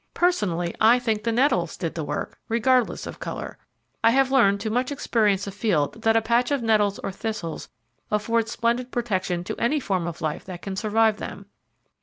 Personally, I think the nettles did the work, regardless of colour. I have learned to much experience afield that a patch of nettles or thistles afford splendid protection to any form of life that can survive them.